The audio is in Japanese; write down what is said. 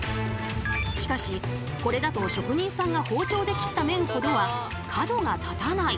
しかしこれだと職人さんが包丁で切った麺ほどは角が立たない。